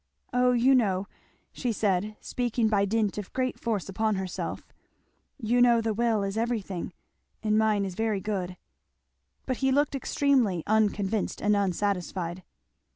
"O you know," she said, speaking by dint of great force upon herself, "You know the will is everything, and mine is very good " But he looked extremely unconvinced and unsatisfied.